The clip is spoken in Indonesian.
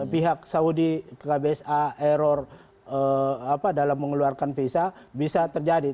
pihak saudi kbsa error dalam mengeluarkan visa bisa terjadi